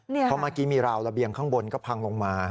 เพราะเมื่อกี้มีราวระเบียงข้างบนก็พังลงมา